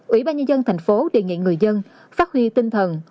ủy ban nhân dân thành phố đề nghị người dân phát huy tinh thần